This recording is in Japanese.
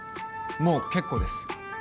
もう結構です